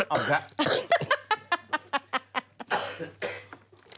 ออกอีกแล้ว